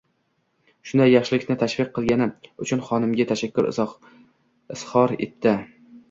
Shunday yaxshilikni tashviq qilgani uchun xonimiga tashakkur izhor etdi.